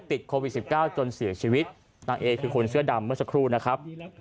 ติดโควิด๑๙จนเสียชีวิตนางเอคือคนเสื้อดำเมื่อสักครู่นะครับ